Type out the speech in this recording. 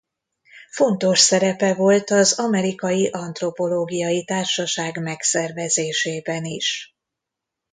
Fontos szerepe volt az Amerikai Antropológiai Társaság megszervezésében is.